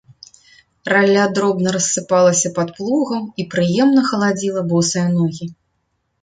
Ралля дробна рассыпалася пад плугам і прыемна халадзіла босыя ногі.